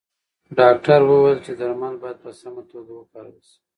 ډاکتر وویل چې درمل باید په سمه توګه وکارول شي.